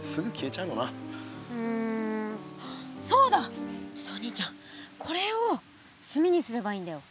ちょっとお兄ちゃんこれを炭にすればいいんだよ。